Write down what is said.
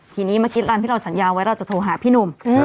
ทีนี้เมื่อกี้รันข์ที่เราสัญเอาจะโทรหาพี่หนุ่ม